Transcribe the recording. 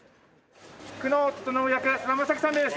久能整役菅田将暉さんです。